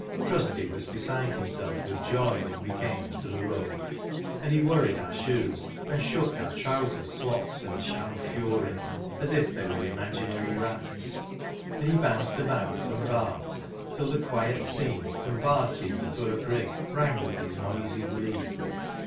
" Trusty" was beside himself with joy when we came into the road; and he worried our shoes, and shook our trowsers' slops in a sham fury, — as if they were imaginary rats ; and he bounced about, and barked, till the quiet scene, from Bard ea to Birkri gg, rang with his noisy glee.